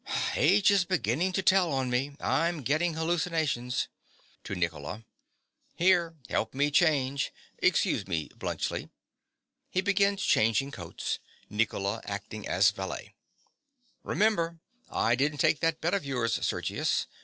Age is beginning to tell on me. I'm getting hallucinations. (To Nicola.) Here: help me to change. Excuse me, Bluntschli. (He begins changing coats, Nicola acting as valet.) Remember: I didn't take that bet of yours, Sergius.